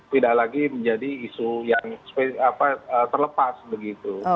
tidak lagi menjadi isu yang terlepas begitu